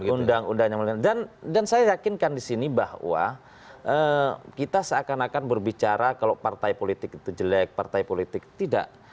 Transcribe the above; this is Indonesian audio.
undang undangnya dan saya yakinkan di sini bahwa kita seakan akan berbicara kalau partai politik itu jelek partai politik tidak